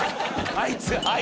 あいつが。